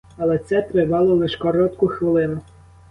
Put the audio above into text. Але це тривало лиш коротку хвилину.